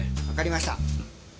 わかりました。